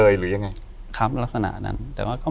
อยู่ที่แม่ศรีวิรัยิลครับ